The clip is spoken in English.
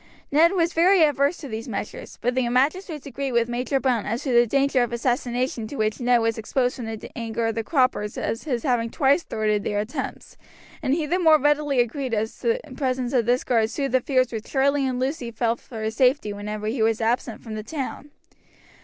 Ned was very averse to these measures, but the magistrates agreed with Major Browne as to the danger of assassination to which Ned was exposed from the anger of the croppers at his having twice thwarted their attempts, and he the more readily agreed as the presence of this guard soothed the fears which Charlie and Lucy felt for his safety whenever he was absent from the town.